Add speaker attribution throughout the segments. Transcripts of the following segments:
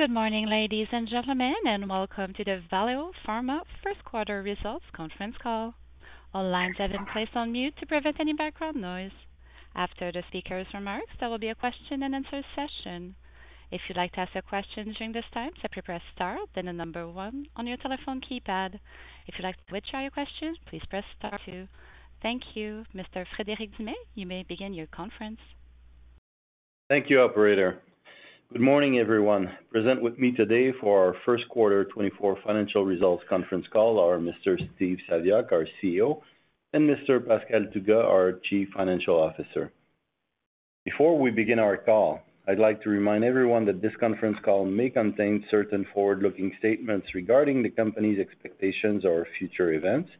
Speaker 1: Good morning, ladies and gentlemen, and welcome to the Valeo Pharma First Quarter Results Conference Call. All lines have been placed on mute to prevent any background noise. After the speaker's remarks, there will be a question-and-answer session. If you'd like to ask a question during this time, say "Press star," then the number 1 on your telephone keypad. If you'd like to withdraw your question, please press star 2. Thank you. Mr. Frederic Dumais, you may begin your conference.
Speaker 2: Thank you, operator. Good morning, everyone. Present with me today for our first-quarter 2024 Financial Results Conference Call are Mr. Steve Saviuk, our CEO, and Mr. Pascal Tougas, our Chief Financial Officer. Before we begin our call, I'd like to remind everyone that this conference call may contain certain forward-looking statements regarding the company's expectations or future events.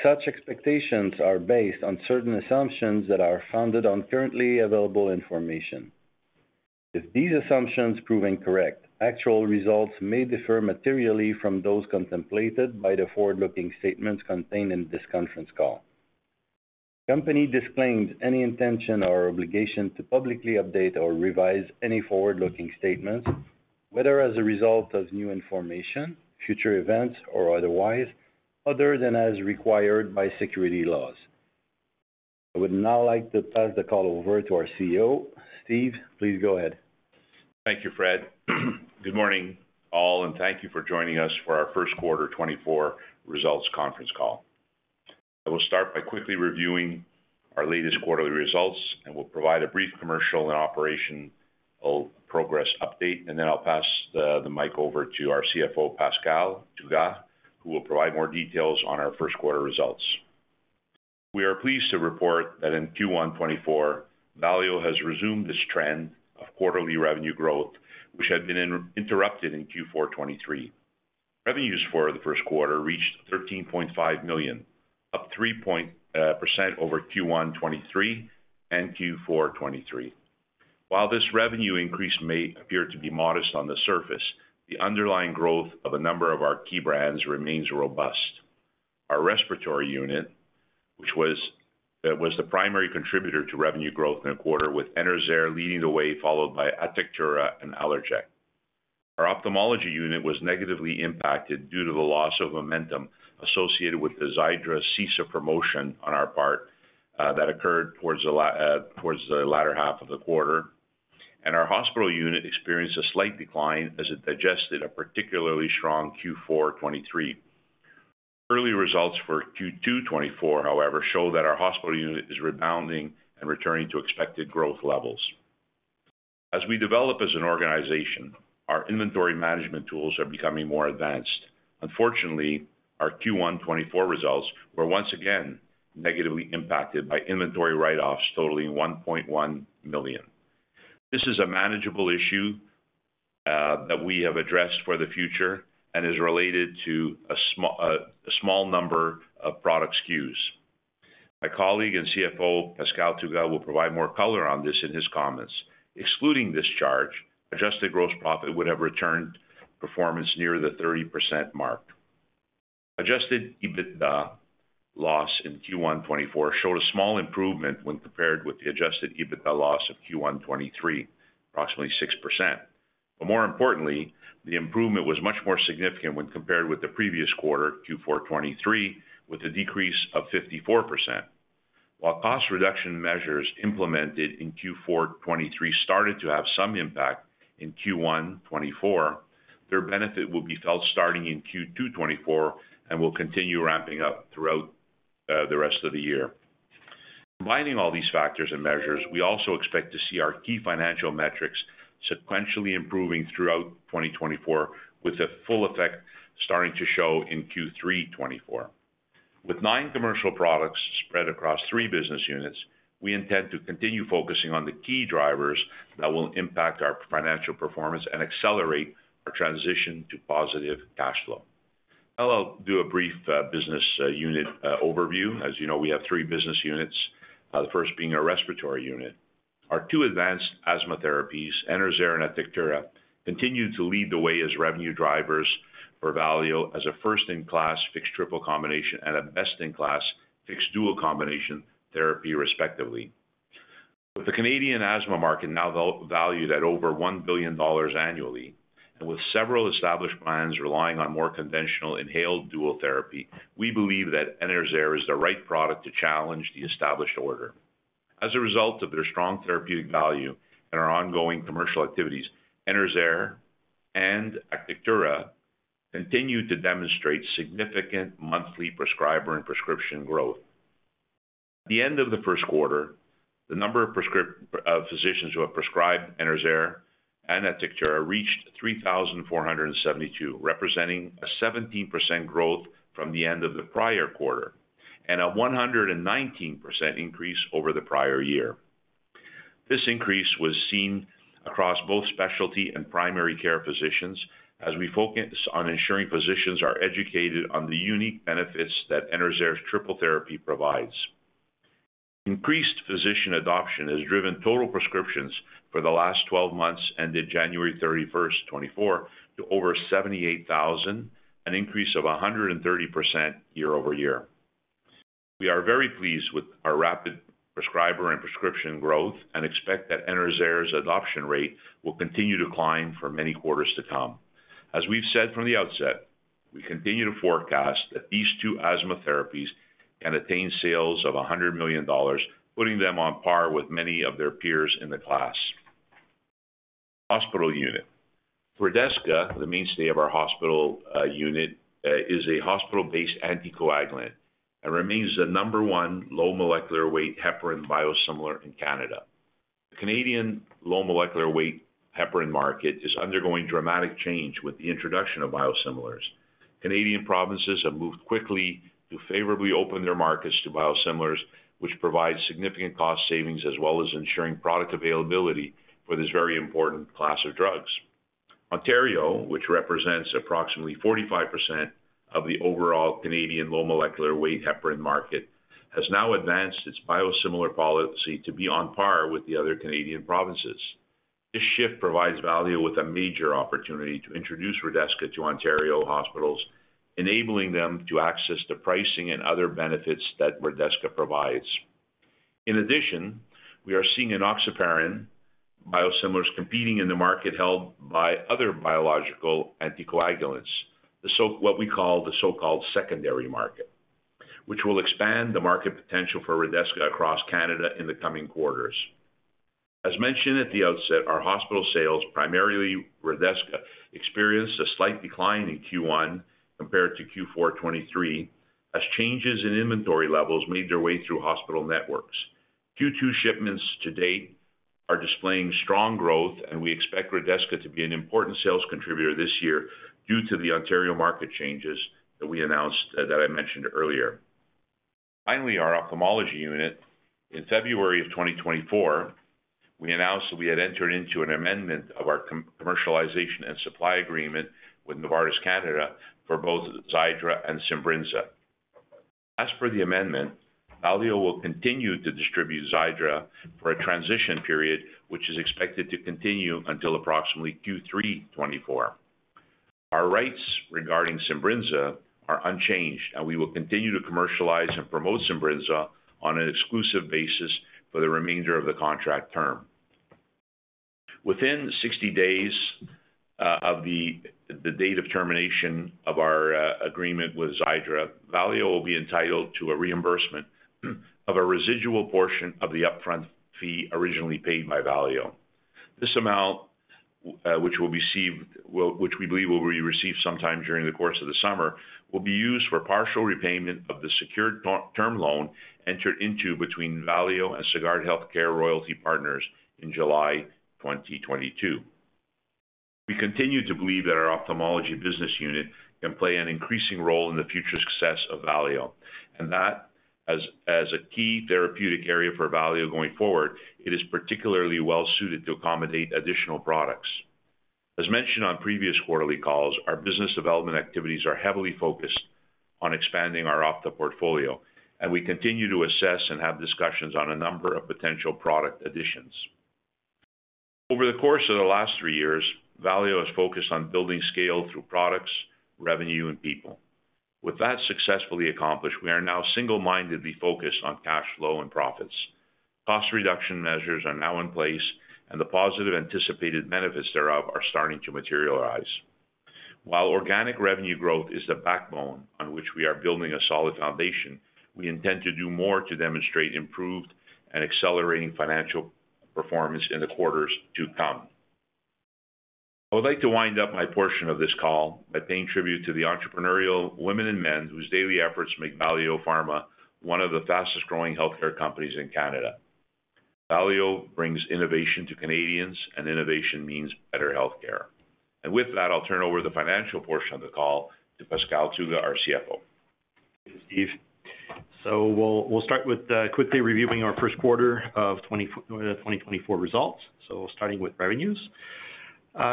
Speaker 2: Such expectations are based on certain assumptions that are founded on currently available information. If these assumptions prove incorrect, actual results may differ materially from those contemplated by the forward-looking statements contained in this conference call. The company disclaims any intention or obligation to publicly update or revise any forward-looking statements, whether as a result of new information, future events, or otherwise, other than as required by security laws. I would now like to pass the call over to our CEO. Steve, please go ahead.
Speaker 3: Thank you, Fred. Good morning, all, and thank you for joining us for our First Quarter 2024 Results Conference Call. I will start by quickly reviewing our latest quarterly results, and we'll provide a brief commercial and operational progress update, and then I'll pass the mic over to our CFO, Pascal Tougas, who will provide more details on our first-quarter results. We are pleased to report that in Q1 2024, Valeo has resumed this trend of quarterly revenue growth, which had been interrupted in Q4 2023. Revenues for the first quarter reached 13.5 million, up 3.0% over Q1 2023 and Q4 2023. While this revenue increase may appear to be modest on the surface, the underlying growth of a number of our key brands remains robust. Our respiratory unit, which was the primary contributor to revenue growth in the quarter, with EnerZair leading the way, followed by Atectura and Allerject. Our ophthalmology unit was negatively impacted due to the loss of momentum associated with Deshnee Naidoo's cease of promotion on our part, that occurred towards the latter half of the quarter. Our hospital unit experienced a slight decline as it digested a particularly strong Q4 2023. Early results for Q2 2024, however, show that our hospital unit is rebounding and returning to expected growth levels. As we develop as an organization, our inventory management tools are becoming more advanced. Unfortunately, our Q1 2024 results were once again negatively impacted by inventory write-offs totaling 1.1 million. This is a manageable issue, that we have addressed for the future and is related to a small number of product SKUs. My colleague and CFO, Pascal Tougas, will provide more color on this in his comments. Excluding this charge, adjusted gross profit would have returned performance near the 30% mark. Adjusted EBITDA loss in Q1 2024 showed a small improvement when compared with the adjusted EBITDA loss of Q1 2023, approximately 6%. But more importantly, the improvement was much more significant when compared with the previous quarter, Q4 2023, with a decrease of 54%. While cost reduction measures implemented in Q4 2023 started to have some impact in Q1 2024, their benefit will be felt starting in Q2 2024 and will continue ramping up throughout the rest of the year. Combining all these factors and measures, we also expect to see our key financial metrics sequentially improving throughout 2024, with the full effect starting to show in Q3 2024. With nine commercial products spread across three business units, we intend to continue focusing on the key drivers that will impact our financial performance and accelerate our transition to positive cash flow. I'll do a brief business unit overview. As you know, we have three business units, the first being our respiratory unit. Our two advanced asthma therapies, EnerZair and Atectura, continue to lead the way as revenue drivers for Valeo as a first-in-class fixed triple combination and a best-in-class fixed dual combination therapy, respectively. With the Canadian asthma market now valued at over 1 billion dollars annually and with several established brands relying on more conventional inhaled dual therapy, we believe that EnerZair is the right product to challenge the established order. As a result of their strong therapeutic value and our ongoing commercial activities, EnerZair and Atectura continue to demonstrate significant monthly prescriber and prescription growth. At the end of the first quarter, the number of prescribing physicians who have prescribed EnerZair and Atectura reached 3,472, representing a 17% growth from the end of the prior quarter and a 119% increase over the prior year. This increase was seen across both specialty and primary care physicians as we focus on ensuring physicians are educated on the unique benefits that EnerZair's triple therapy provides. Increased physician adoption has driven total prescriptions for the last 12 months ended January 31st, 2024, to over 78,000, an increase of 130% year-over-year. We are very pleased with our rapid prescriber and prescription growth and expect that EnerZair's adoption rate will continue to climb for many quarters to come. As we've said from the outset, we continue to forecast that these two asthma therapies can attain sales of 100 million dollars, putting them on par with many of their peers in the class. Hospital unit. Redesca, the mainstay of our hospital unit, is a hospital-based anticoagulant and remains the number one low-molecular-weight heparin biosimilar in Canada. The Canadian low-molecular-weight heparin market is undergoing dramatic change with the introduction of biosimilars. Canadian provinces have moved quickly to favorably open their markets to biosimilars, which provide significant cost savings as well as ensuring product availability for this very important class of drugs. Ontario, which represents approximately 45% of the overall Canadian low-molecular-weight heparin market, has now advanced its biosimilar policy to be on par with the other Canadian provinces. This shift provides Valeo with a major opportunity to introduce Redesca to Ontario hospitals, enabling them to access the pricing and other benefits that Redesca provides. In addition, we are seeing Enoxaparin biosimilars competing in the market held by other biological anticoagulants, the so-called secondary market, which will expand the market potential for Redesca across Canada in the coming quarters. As mentioned at the outset, our hospital sales, primarily Redesca, experienced a slight decline in Q1 compared to Q4 2023 as changes in inventory levels made their way through hospital networks. Q2 shipments to date are displaying strong growth, and we expect Redesca to be an important sales contributor this year due to the Ontario market changes that we announced, that I mentioned earlier. Finally, our ophthalmology unit. In February of 2024, we announced that we had entered into an amendment of our commercialization and supply agreement with Novartis Canada for both Xiidra and Simbrinza. As per the amendment, Valeo will continue to distribute Xiidra for a transition period, which is expected to continue until approximately Q3 2024. Our rights regarding Simbrinza are unchanged, and we will continue to commercialize and promote Simbrinza on an exclusive basis for the remainder of the contract term. Within 60 days of the date of termination of our agreement with Xiidra, Valeo will be entitled to a reimbursement of a residual portion of the upfront fee originally paid by Valeo. This amount, which we believe will be received sometime during the course of the summer, will be used for partial repayment of the secured term loan entered into between Valeo and Sagard Healthcare Royalty Partners in July 2022. We continue to believe that our ophthalmology business unit can play an increasing role in the future success of Valeo, and that, as a key therapeutic area for Valeo going forward, it is particularly well-suited to accommodate additional products. As mentioned on previous quarterly calls, our business development activities are heavily focused on expanding our ophthalmology portfolio, and we continue to assess and have discussions on a number of potential product additions. Over the course of the last three years, Valeo has focused on building scale through products, revenue, and people. With that successfully accomplished, we are now single-mindedly focused on cash flow and profits. Cost reduction measures are now in place, and the positive anticipated benefits thereof are starting to materialize. While organic revenue growth is the backbone on which we are building a solid foundation, we intend to do more to demonstrate improved and accelerating financial performance in the quarters to come. I would like to wind up my portion of this call by paying tribute to the entrepreneurial women and men whose daily efforts make Valeo Pharma one of the fastest-growing healthcare companies in Canada. Valeo brings innovation to Canadians, and innovation means better healthcare. And with that, I'll turn over the financial portion of the call to Pascal Tougas, our CFO.
Speaker 4: Thank you, Steve. So we'll start with quickly reviewing our First Quarter of 2024 Results. So starting with revenues.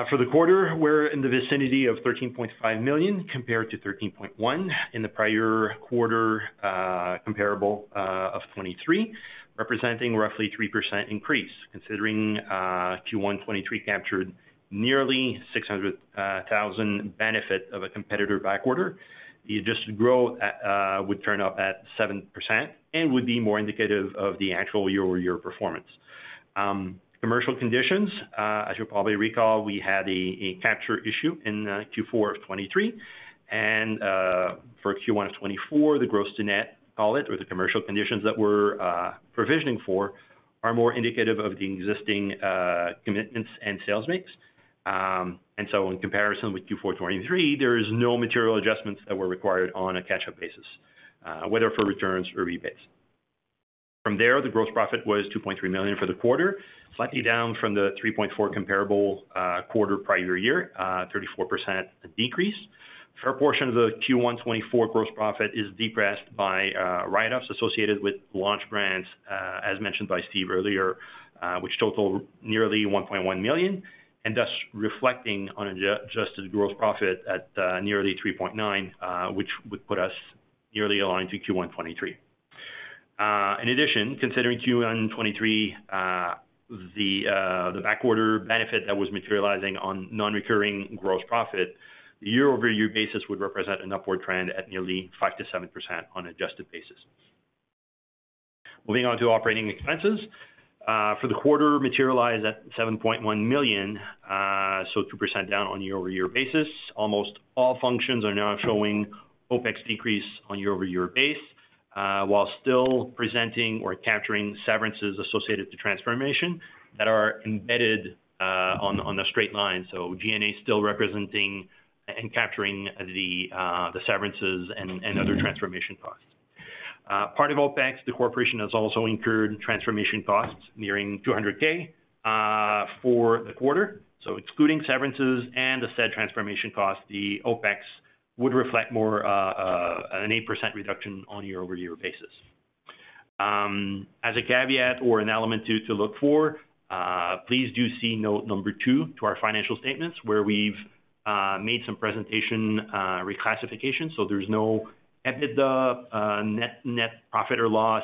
Speaker 4: For the quarter, we're in the vicinity of 13.5 million compared to 13.1 million in the prior quarter, comparable, of 2023, representing roughly 3% increase. Considering Q1 2023 captured nearly 600,000 benefit of a competitor backorder, the adjusted growth would turn up at 7% and would be more indicative of the actual year-over-year performance. Commercial conditions, as you'll probably recall, we had a capture issue in Q4 of 2023. And for Q1 of 2024, the gross to net, call it, or the commercial conditions that we're provisioning for are more indicative of the existing commitments and sales makes. And so in comparison with Q4 2023, there are no material adjustments that were required on a catch-up basis, whether for returns or rebates. From there, the gross profit was 2.3 million for the quarter, slightly down from the 3.4 million comparable quarter prior year, 34% decrease. A fair portion of the Q1 2024 gross profit is depressed by write-offs associated with launch grants, as mentioned by Steve earlier, which totaled nearly 1.1 million, and thus reflecting on an adjusted gross profit at nearly 3.9 million, which would put us nearly aligned to Q1 2023. In addition, considering Q1 2023, the backorder benefit that was materializing on non-recurring gross profit, the year-over-year basis would represent an upward trend at nearly 5%-7% on an adjusted basis. Moving on to operating expenses. For the quarter, materialized at 7.1 million, so 2% down on a year-over-year basis. Almost all functions are now showing OpEx decrease on a year-over-year basis, while still presenting or capturing severances associated with transformation that are embedded on a straight line. So G&A still representing and capturing the severances and other transformation costs part of OpEx. The corporation has also incurred transformation costs nearing 200,000 for the quarter. So excluding severances and the said transformation cost, the OpEx would reflect more, an 8% reduction on a year-over-year basis. As a caveat or an element to look for, please do see note number 2 to our financial statements where we've made some presentation reclassification. So there's no EBITDA, net profit or loss,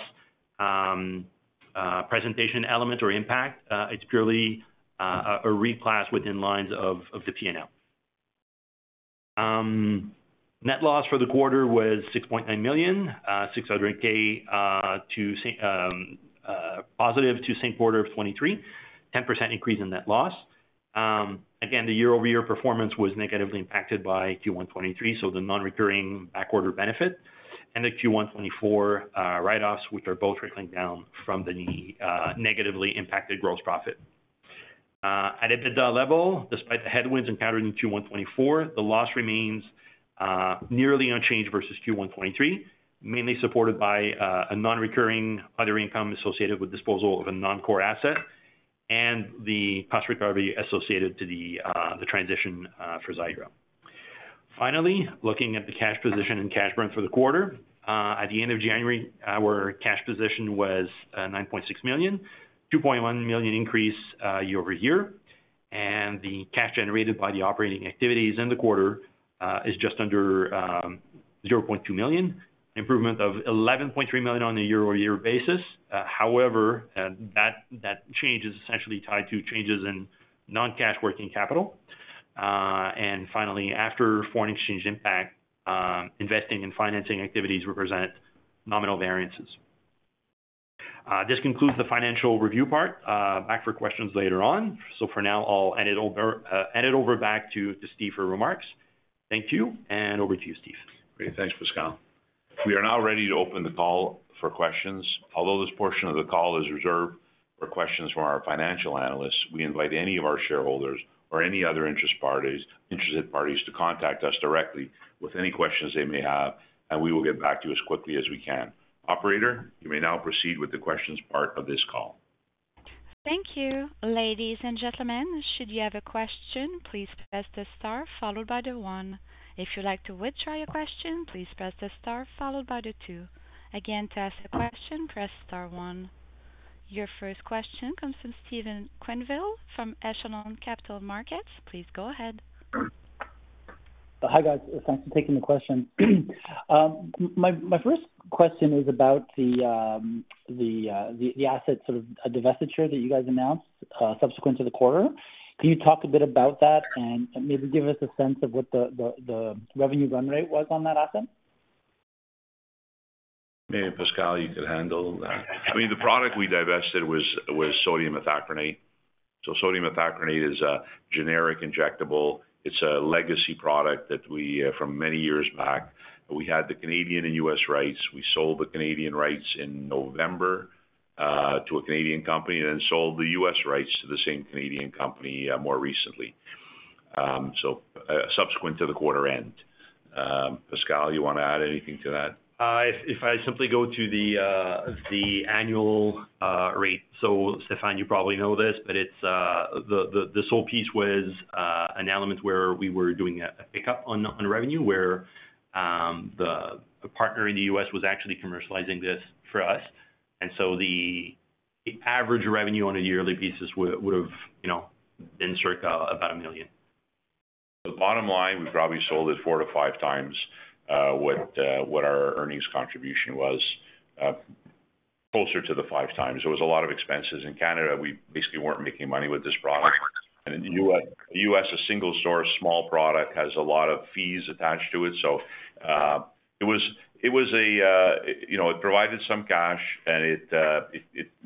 Speaker 4: presentation element or impact. It's purely a reclass within lines of the P&L. Net loss for the quarter was 6.9 million, 600,000 vis-à-vis to same quarter of 2023, 10% increase in net loss. Again, the year-over-year performance was negatively impacted by Q1 2023, so the non-recurring backorder benefit, and the Q1 2024, write-offs, which are both trickling down from the negatively impacted gross profit. At EBITDA level, despite the headwinds encountered in Q1 2024, the loss remains nearly unchanged versus Q1 2023, mainly supported by a non-recurring other income associated with disposal of a non-core asset and the cost recovery associated to the transition for Xiidra. Finally, looking at the cash position and cash burn for the quarter, at the end of January, our cash position was 9.6 million, 2.1 million increase year over year, and the cash generated by the operating activities in the quarter is just under 0.2 million, an improvement of 11.3 million on a year-over-year basis. However, that change is essentially tied to changes in non-cash working capital. Finally, after foreign exchange impact, investing and financing activities represent nominal variances. This concludes the financial review part. Back for questions later on. So for now, I'll end it over back to Steve for remarks. Thank you, and over to you, Steve.
Speaker 3: Great. Thanks, Pascal. We are now ready to open the call for questions. Although this portion of the call is reserved for questions from our financial analysts, we invite any of our shareholders or any other interested parties to contact us directly with any questions they may have, and we will get back to you as quickly as we can. Operator, you may now proceed with the questions part of this call.
Speaker 1: Thank you, ladies and gentlemen. Should you have a question, please press the star followed by the 1. If you'd like to withdraw your question, please press the star followed by the 2. Again, to ask a question, press star 1. Your first question comes from Stefan Quenneville from Echelon Capital Markets. Please go ahead.
Speaker 5: Hi, guys. Thanks for taking the question. My first question is about the asset sort of divestiture that you guys announced, subsequent to the quarter. Can you talk a bit about that and maybe give us a sense of what the revenue run rate was on that asset?
Speaker 3: Maybe Pascal, you could handle that. I mean, the product we divested was sodium cromoglicate. So sodium cromoglicate is a generic injectable. It's a legacy product that we, from many years back, we had the Canadian and U.S. rights. We sold the Canadian rights in November to a Canadian company and then sold the U.S. rights to the same Canadian company, more recently, subsequent to the quarter end. Pascal, you want to add anything to that?
Speaker 4: If I simply go to the annual rate. So Stefan, you probably know this, but it's this whole piece was an element where we were doing a pickup on revenue where the partner in the U.S. was actually commercializing this for us. And so the average revenue on a yearly basis would have, you know, been circa about $1 million.
Speaker 3: The bottom line, we probably sold it 4-5 times what our earnings contribution was, closer to the 5 times. There was a lot of expenses. In Canada, we basically weren't making money with this product. And in the U.S., a single-store small product has a lot of fees attached to it. So, it was a, you know, it provided some cash, and it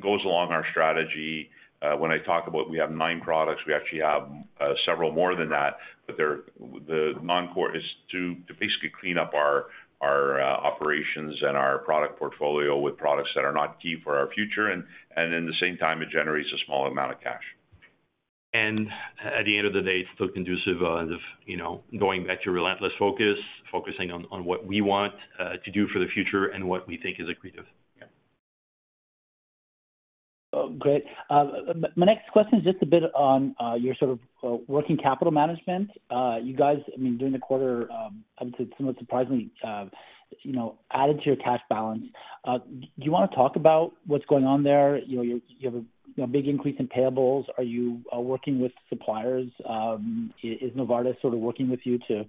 Speaker 3: goes along our strategy. When I talk about we have nine products, we actually have several more than that, but the non-core is to basically clean up our operations and our product portfolio with products that are not key for our future. And in the same time, it generates a small amount of cash. At the end of the day, it's still conducive of, you know, going back to relentless focus, focusing on what we want to do for the future and what we think is accretive.
Speaker 4: Yeah.
Speaker 5: Oh, great. My next question is just a bit on your sort of working capital management. You guys, I mean, during the quarter, I would say somewhat surprisingly, you know, added to your cash balance. Do you want to talk about what's going on there? You know, you have a, you know, big increase in payables. Are you working with suppliers? Is Novartis sort of working with you to,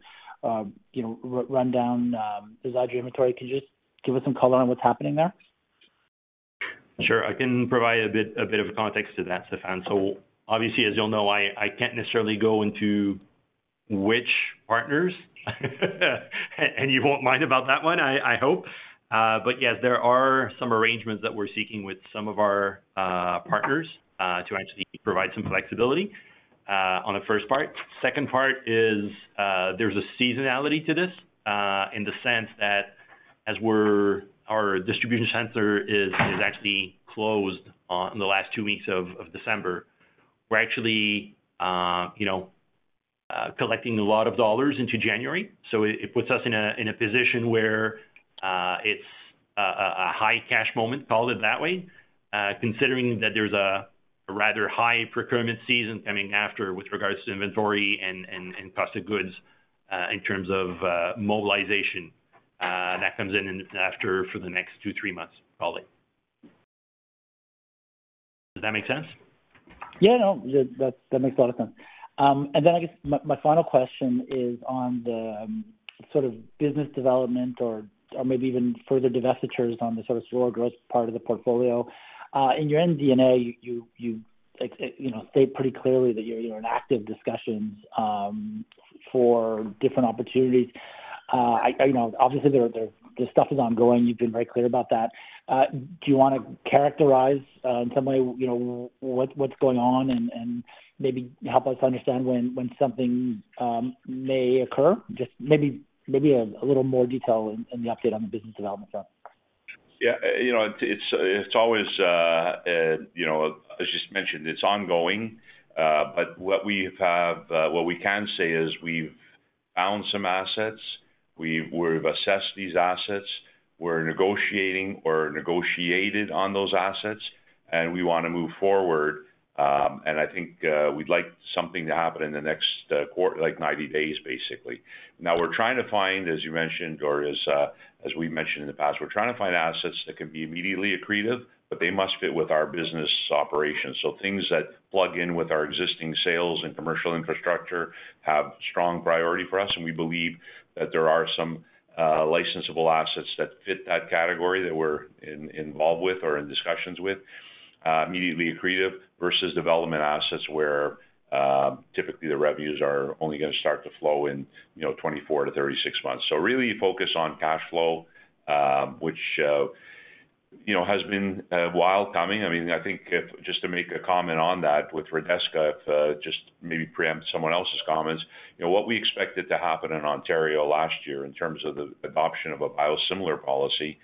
Speaker 5: you know, run down the Xiidra inventory? Can you just give us some color on what's happening there?
Speaker 4: Sure. I can provide a bit of context to that, Stefan. So obviously, as you'll know, I can't necessarily go into which partners, and you won't mind about that one, I hope. But yes, there are some arrangements that we're seeking with some of our partners to actually provide some flexibility on the first part. Second part is, there's a seasonality to this, in the sense that as our distribution center is actually closed in the last two weeks of December, we're actually, you know, collecting a lot of dollars into January. So it puts us in a position where it's a high cash moment, call it that way, considering that there's a rather high procurement season coming after with regards to inventory and cost of goods, in terms of mobilization. that comes in after for the next two, three months, call it. Does that make sense?
Speaker 5: Yeah. No. Yeah. That makes a lot of sense. And then I guess my final question is on the sort of business development or maybe even further divestitures on the sort of slower growth part of the portfolio. In your MD&A, you know, state pretty clearly that you're in active discussions for different opportunities. You know, obviously, there is stuff ongoing. You've been very clear about that. Do you want to characterize, in some way, you know, what's going on and maybe help us understand when something may occur? Just maybe a little more detail in the update on the business development front.
Speaker 3: Yeah. You know, it's always, you know, as you just mentioned, it's ongoing. But what we have, what we can say is we've found some assets. We've assessed these assets. We're negotiating or negotiated on those assets, and we want to move forward. And I think, we'd like something to happen in the next quarter, like 90 days, basically. Now, we're trying to find, as you mentioned or as we've mentioned in the past, we're trying to find assets that can be immediately accretive, but they must fit with our business operations. So things that plug in with our existing sales and commercial infrastructure have strong priority for us. We believe that there are some licensable assets that fit that category that we're involved with or in discussions with, immediately accretive versus development assets where typically the revenues are only going to start to flow in, you know, 24-36 months. Really focus on cash flow, which you know has been a while coming. I mean, I think just to make a comment on that with Redesca, just maybe preempt someone else's comments, you know, what we expected to happen in Ontario last year in terms of the adoption of a biosimilar policy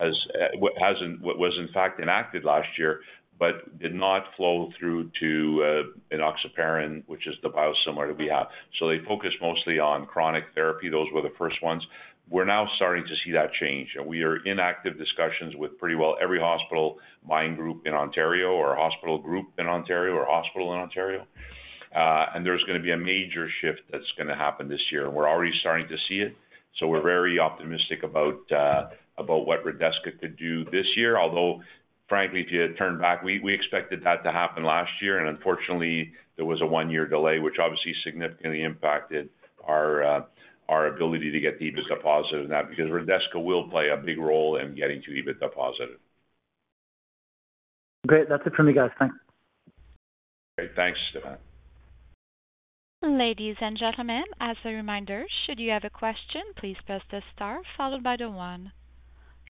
Speaker 3: was, in fact, enacted last year but did not flow through to Enoxaparin, which is the biosimilar that we have. They focused mostly on chronic therapy. Those were the first ones. We're now starting to see that change. We are in active discussions with pretty well every hospital mind group in Ontario or hospital group in Ontario or hospital in Ontario. And there's going to be a major shift that's going to happen this year. And we're already starting to see it. So we're very optimistic about, about what Redesca could do this year. Although, frankly, if you turn back, we, we expected that to happen last year. And unfortunately, there was a one-year delay, which obviously significantly impacted our, our ability to get the EBITDA positive in that because Redesca will play a big role in getting to EBITDA positive.
Speaker 5: Great. That's it from me, guys. Thanks.
Speaker 3: Great. Thanks, Stefan.
Speaker 1: Ladies and gentlemen, as a reminder, should you have a question, please press the star followed by the 1.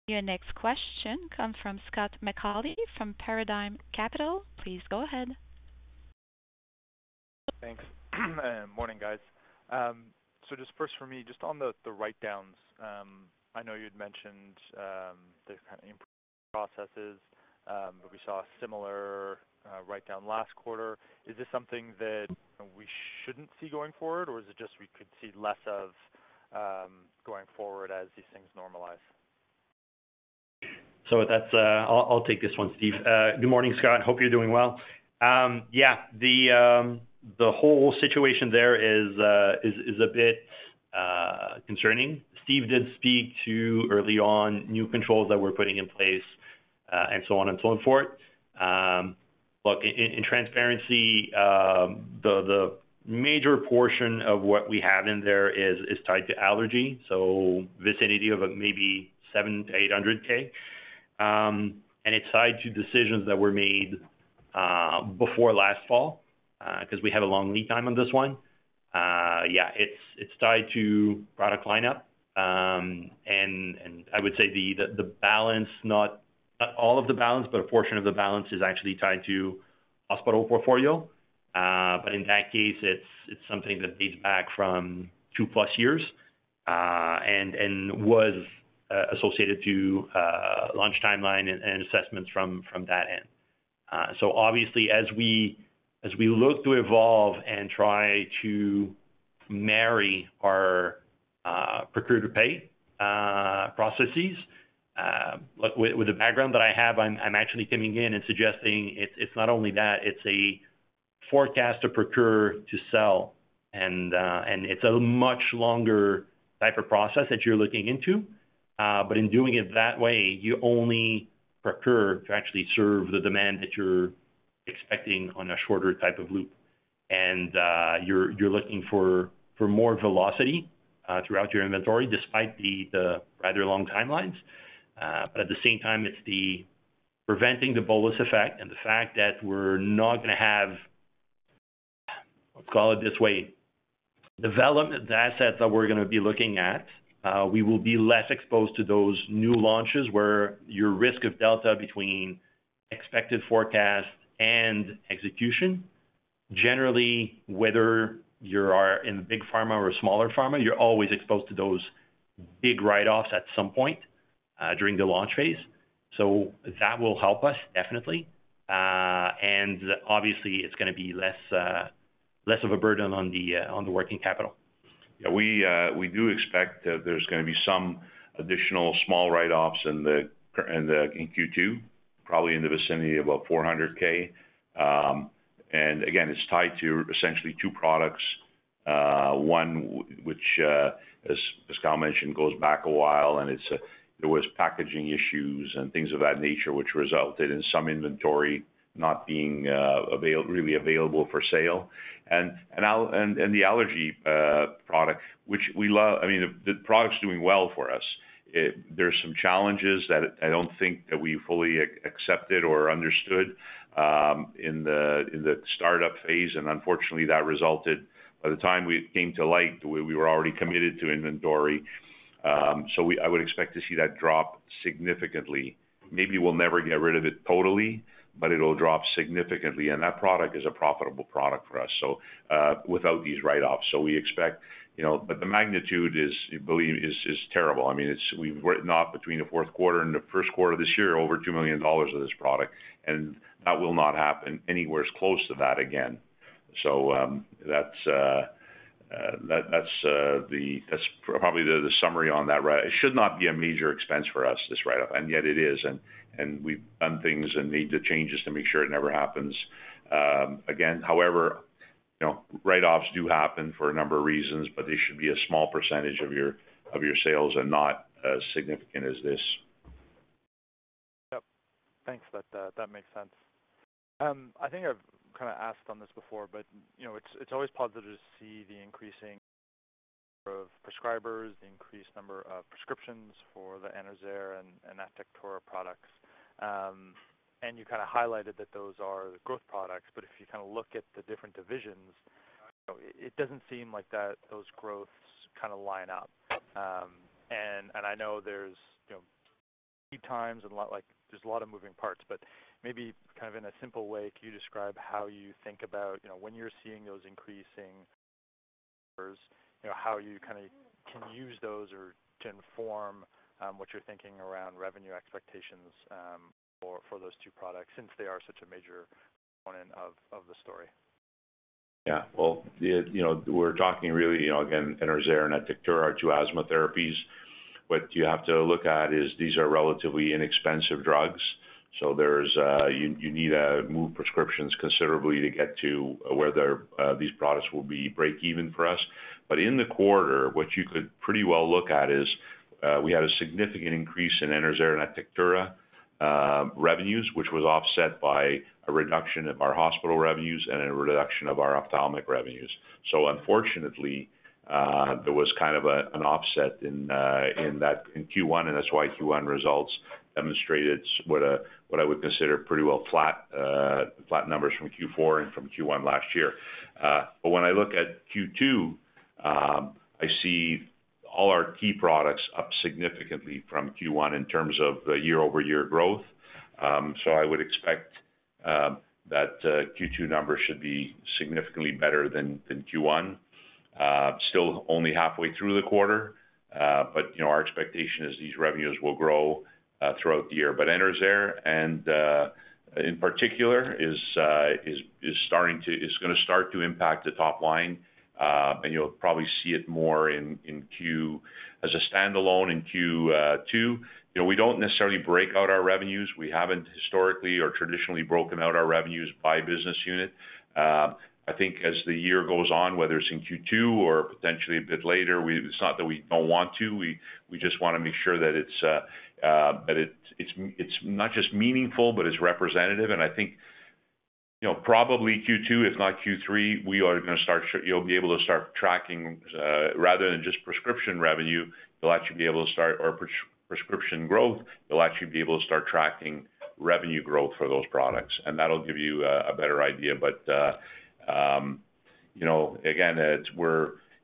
Speaker 1: Your next question comes from Scott McAuley from Paradigm Capital. Please go ahead.
Speaker 6: Thanks. Good morning, guys. So just first for me, just on the write-downs, I know you'd mentioned the kind of improved processes, but we saw a similar write-down last quarter. Is this something that, you know, we shouldn't see going forward, or is it just we could see less of going forward as these things normalize?
Speaker 4: So that's, I'll take this one, Steve. Good morning, Scott. Hope you're doing well. Yeah, the whole situation there is a bit concerning. Steve did speak to early on new controls that we're putting in place, and so on and so forth. Look, in transparency, the major portion of what we have in there is tied to Allerject, so vicinity of maybe 700 thousand-800 thousand. And it's tied to decisions that were made before last fall, because we have a long lead time on this one. Yeah, it's tied to product lineup. And I would say the balance, not all of the balance, but a portion of the balance is actually tied to hospital portfolio. But in that case, it's something that dates back from 2+ years, and was associated to launch timeline and assessments from that end. So obviously, as we look to evolve and try to marry our procure to pay processes, look, with the background that I have, I'm actually coming in and suggesting it's not only that, it's a forecast to procure to sell. And it's a much longer type of process that you're looking into. But in doing it that way, you only procure to actually serve the demand that you're expecting on a shorter type of loop. And you're looking for more velocity throughout your inventory despite the rather long timelines. But at the same time, it's the preventing the bolus effect and the fact that we're not going to have, let's call it this way, development the assets that we're going to be looking at. We will be less exposed to those new launches where your risk of delta between expected forecast and execution. Generally, whether you are in the big pharma or a smaller pharma, you're always exposed to those big write-offs at some point during the launch phase. So that will help us, definitely. Obviously, it's going to be less of a burden on the working capital.
Speaker 3: Yeah. We do expect that there's going to be some additional small write-offs in Q2, probably in the vicinity of about 400,000. And again, it's tied to essentially two products. One, which, as Cal mentioned, goes back a while, and it's, there was packaging issues and things of that nature, which resulted in some inventory not being really available for sale. And the allergy product, which we love I mean, the product's doing well for us. It there's some challenges that I don't think that we fully accepted or understood in the startup phase. And unfortunately, that resulted by the time we came to light, we were already committed to inventory. So I would expect to see that drop significantly. Maybe we'll never get rid of it totally, but it'll drop significantly. That product is a profitable product for us, so, without these write-offs. So we expect, you know, but the magnitude is, I believe, terrible. I mean, it's, we've written off between the fourth quarter and the first quarter of this year over 2 million dollars of this product. And that will not happen anywhere as close to that again. So, that's, that's probably the summary on that. It should not be a major expense for us, this write-off. And yet, it is. And, we've done things and made the changes to make sure it never happens again, however, you know, write-offs do happen for a number of reasons, but they should be a small percentage of your sales and not as significant as this.
Speaker 6: Yep. Thanks. That makes sense. I think I've kind of asked on this before, but, you know, it's always positive to see the increasing number of prescribers, the increased number of prescriptions for the Enerzair and Atectura products. And you kind of highlighted that those are the growth products. But if you kind of look at the different divisions, you know, it doesn't seem like those growths kind of line up. And I know there's, you know, lead times and a lot like, there's a lot of moving parts. But maybe kind of in a simple way, could you describe how you think about, you know, when you're seeing those increasing numbers, you know, how you kind of can use those or to inform what you're thinking around revenue expectations for those two products since they are such a major component of the story?
Speaker 3: Yeah. Well, you know, we're talking really, you know, again, Enerzair and Atectura are two asthma therapies. What you have to look at is these are relatively inexpensive drugs. So there's you, you need to move prescriptions considerably to get to where they're, these products will be break-even for us. But in the quarter, what you could pretty well look at is we had a significant increase in Enerzair and Atectura revenues, which was offset by a reduction of our hospital revenues and a reduction of our ophthalmic revenues. So unfortunately, there was kind of an offset in that in Q1. And that's why Q1 results demonstrated what I would consider pretty well flat, flat numbers from Q4 and from Q1 last year. But when I look at Q2, I see all our key products up significantly from Q1 in terms of the year-over-year growth. I would expect that Q2 numbers should be significantly better than Q1. Still only halfway through the quarter. But you know, our expectation is these revenues will grow throughout the year. But Enerzair, and in particular, is starting to impact the top line. And you'll probably see it more in Q2 as a standalone in Q2. You know, we don't necessarily break out our revenues. We haven't historically or traditionally broken out our revenues by business unit. I think as the year goes on, whether it's in Q2 or potentially a bit later, it's not that we don't want to. We just want to make sure that it's not just meaningful, but it's representative. And I think, you know, probably Q2, if not Q3, we are going to start—you'll be able to start tracking, rather than just prescription revenue, you'll actually be able to start tracking prescription growth. You'll actually be able to start tracking revenue growth for those products. And that'll give you a better idea. But, you know, again,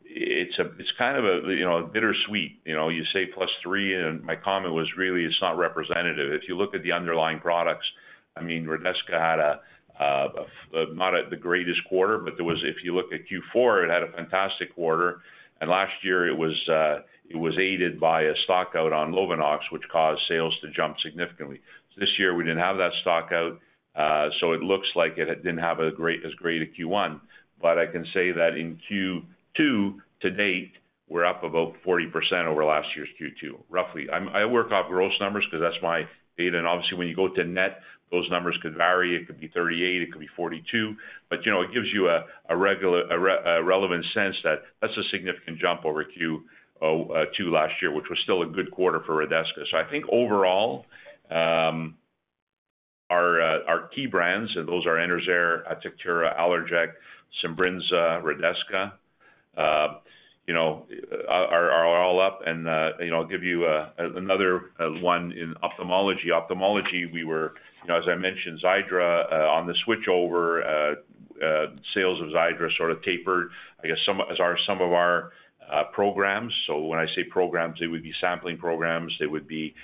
Speaker 3: it's—it's kind of a, you know, bittersweet. You know, you say +3, and my comment was really, it's not representative. If you look at the underlying products, I mean, Redesca had a—not the greatest quarter, but if you look at Q4, it had a fantastic quarter. And last year, it was aided by a stockout on Lovenox, which caused sales to jump significantly. So this year, we didn't have that stockout. So it looks like it didn't have as great a Q1. But I can say that in Q2 to date, we're up about 40% over last year's Q2, roughly. I work off gross numbers because that's my data. And obviously, when you go to net, those numbers could vary. It could be 38. It could be 42. But, you know, it gives you a relevant sense that that's a significant jump over Q2 last year, which was still a good quarter for Redesca. So I think overall, our key brands, and those are Enerzair, Atectura, Allerject, Simbrinza, Redesca, you know, are all up. And, you know, I'll give you another one in ophthalmology. Ophthalmology, we were, you know, as I mentioned, Xiidra, on the switchover, sales of Xiidra sort of tapered, I guess, some of our programs. So when I say programs, they would be sampling programs. They would be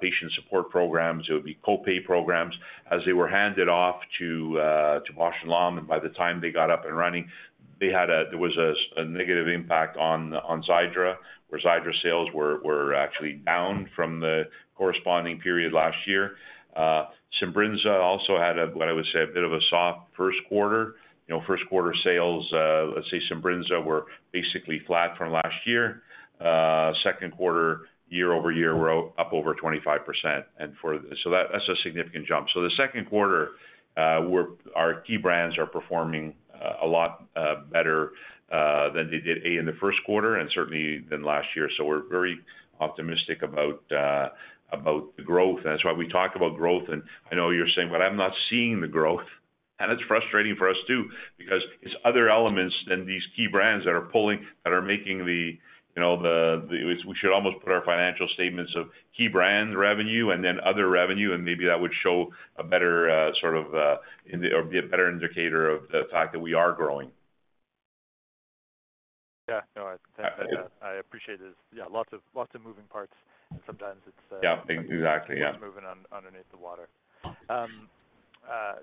Speaker 3: patient support programs. It would be copay programs. As they were handed off to Bausch + Lomb, and by the time they got up and running, there was a negative impact on Xiidra, where Xiidra sales were actually down from the corresponding period last year. Simbrinza also had what I would say a bit of a soft first quarter. You know, first quarter sales, let's say Simbrinza were basically flat from last year. Second quarter, year-over-year, we're up over 25%. And so that's a significant jump. So the second quarter, our key brands are performing a lot better than they did in the first quarter and certainly than last year. So we're very optimistic about, about the growth. And that's why we talk about growth. And I know you're saying, "But I'm not seeing the growth." And it's frustrating for us too because it's other elements than these key brands that are pulling that are making the, you know, the, the it's we should almost put our financial statements of key brand revenue and then other revenue. And maybe that would show a better, sort of, in the or be a better indicator of the fact that we are growing.
Speaker 6: Yeah. No, I appreciate this. Yeah, lots of moving parts. And sometimes, it's
Speaker 3: Yeah. Exactly. Yeah.
Speaker 6: Moving on underneath the water.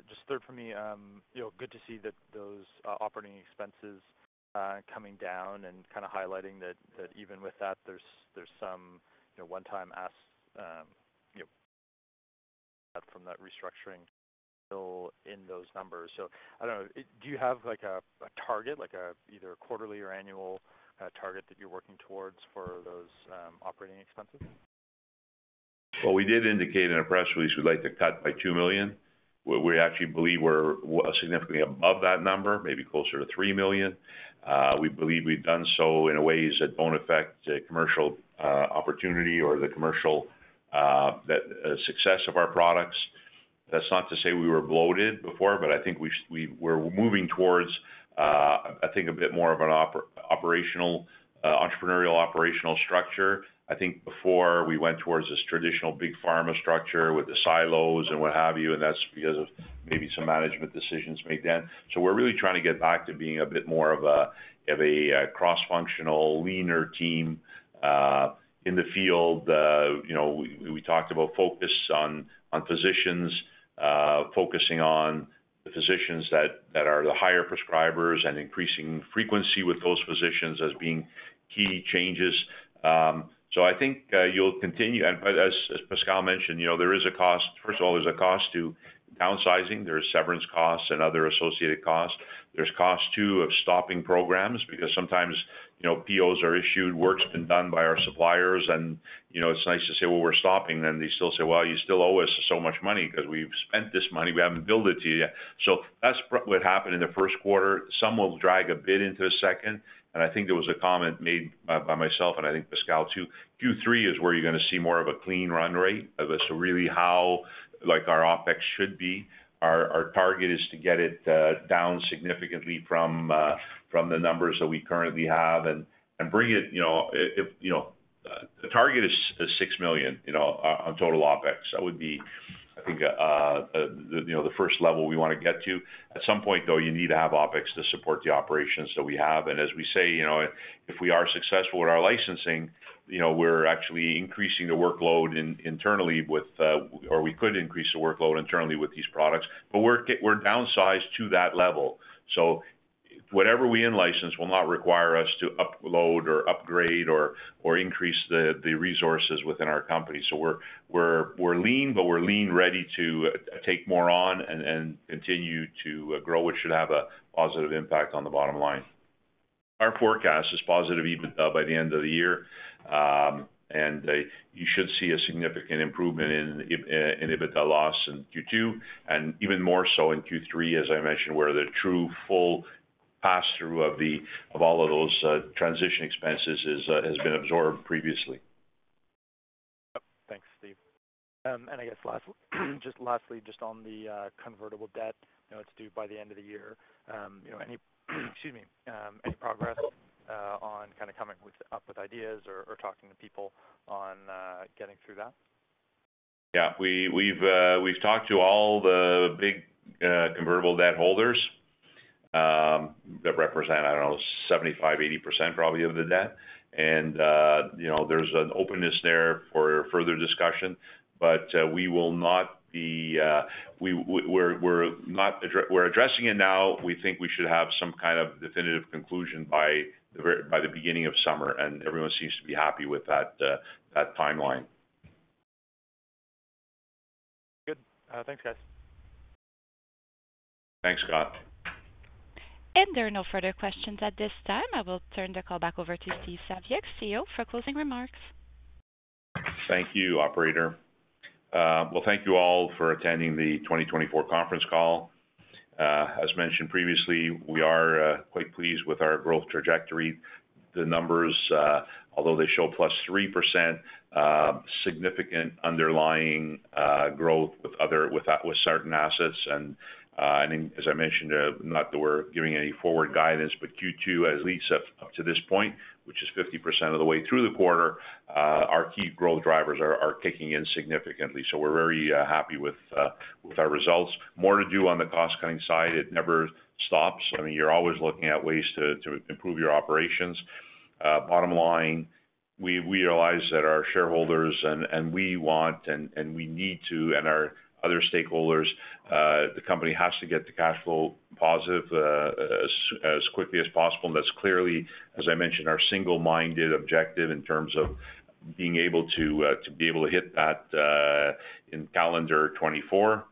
Speaker 6: Just third for me, you know, good to see that those operating expenses coming down and kind of highlighting that even with that, there's some, you know, one-time ask, you know, from that restructuring still in those numbers. So I don't know. Do you have, like, a target, like a either quarterly or annual kind of target that you're working towards for those operating expenses?
Speaker 3: Well, we did indicate in a press release we'd like to cut by 2 million. We actually believe we're way above that number, maybe closer to 3 million. We believe we've done so in ways that don't affect commercial opportunity or the commercial success of our products. That's not to say we were bloated before, but I think we were moving towards, I think, a bit more of an operational entrepreneurial operational structure. I think before, we went towards this traditional big pharma structure with the silos and what have you. And that's because of maybe some management decisions made then. So we're really trying to get back to being a bit more of a cross-functional, leaner team in the field. You know, we talked about focus on physicians, focusing on the physicians that are the higher prescribers and increasing frequency with those physicians as being key changes. So I think you'll continue, but as Pascal mentioned, you know, there is a cost. First of all, there's a cost to downsizing. There's severance costs and other associated costs. There's cost too of stopping programs because sometimes, you know, POs are issued. Work's been done by our suppliers. And, you know, it's nice to say, "Well, we're stopping." And then they still say, "Well, you still owe us so much money because we've spent this money. We haven't billed it to you yet." So that's what happened in the first quarter. Some will drag a bit into the second. And I think there was a comment made by myself, and I think Pascal too. Q3 is where you're going to see more of a clean run rate, so really how, like, our OpEx should be. Our target is to get it down significantly from the numbers that we currently have and bring it, you know, if, you know, the target is 6 million, you know, on total OpEx. That would be, I think, you know, the first level we want to get to. At some point, though, you need to have OpEx to support the operations that we have. And as we say, you know, if we are successful with our licensing, you know, we're actually increasing the workload internally with, or we could increase the workload internally with these products. But we're downsized to that level. So, whatever we in-license will not require us to build out or upgrade or increase the resources within our company. So we're lean, but we're lean and ready to take more on and continue to grow, which should have a positive impact on the bottom line. Our forecast is positive EBITDA by the end of the year. You should see a significant improvement in the EBITDA loss in Q2 and even more so in Q3, as I mentioned, where the true full pass-through of all of those transition expenses has been absorbed previously.
Speaker 6: Yep. Thanks, Steve. And I guess lastly, just on the convertible debt, you know, it's due by the end of the year. You know, excuse me. Any progress on kind of coming up with ideas or, or talking to people on getting through that?
Speaker 3: Yeah. We've talked to all the big convertible debt holders that represent, I don't know, 75%-80% probably of the debt. And, you know, there's an openness there for further discussion. But, we're addressing it now. We think we should have some kind of definitive conclusion by the beginning of summer. And everyone seems to be happy with that timeline.
Speaker 6: Good. Thanks, guys.
Speaker 3: Thanks, Scott.
Speaker 1: There are no further questions at this time. I will turn the call back over to Steve Saviuk, CEO, for closing remarks.
Speaker 3: Thank you, operator. Well, thank you all for attending the 2024 conference call. As mentioned previously, we are quite pleased with our growth trajectory. The numbers, although they show +3%, significant underlying growth with certain assets. And in, as I mentioned, not that we're giving any forward guidance, but Q2, at least up to this point, which is 50% of the way through the quarter, our key growth drivers are kicking in significantly. So we're very happy with our results. More to do on the cost-cutting side. It never stops. I mean, you're always looking at ways to improve your operations. Bottom line, we realize that our shareholders and we want and we need to our other stakeholders, the company has to get the cash flow positive as quickly as possible. That's clearly, as I mentioned, our single-minded objective in terms of being able to hit that in calendar 2024.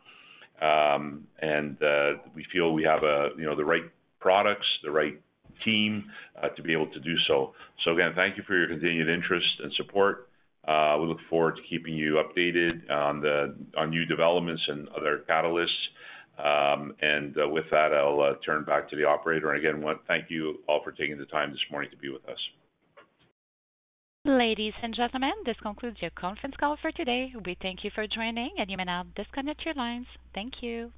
Speaker 3: We feel we have, you know, the right products, the right team, to be able to do so. So again, thank you for your continued interest and support. We look forward to keeping you updated on new developments and other catalysts. With that, I'll turn back to the operator. And again, want to thank you all for taking the time this morning to be with us.
Speaker 1: Ladies and gentlemen, this concludes your conference call for today. We thank you for joining. You may now disconnect your lines. Thank you.